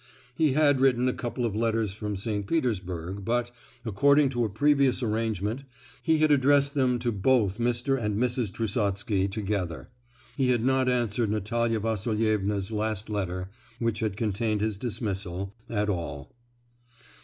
He had written a couple of letters from St. Petersburg, but, according to a previous arrangement, he had addressed them to both Mr. and Mrs. Trusotsky together. He had not answered Natalia Vasilievna's last letter—which had contained his dismissal—at all.